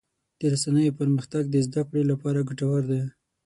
د رسنیو پرمختګ د زدهکړې لپاره ګټور دی.